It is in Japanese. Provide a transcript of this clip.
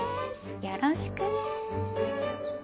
よろしくね。